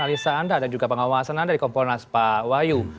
analisa anda dan juga pengawasan anda dari kompolnas pak wahyu